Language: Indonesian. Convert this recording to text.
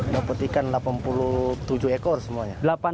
dapat ikan delapan puluh tujuh ekor semuanya